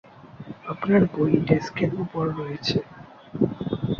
আপনার বই ডেস্কের উপর রয়েছে।